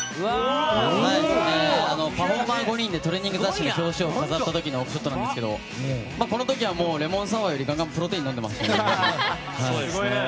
パフォーマー５人でトレーニング雑誌の表紙を飾った時のフォトなんですけどこの時はレモンサワーよりプロテインを飲んでいました。